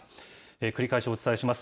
繰り返しお伝えします。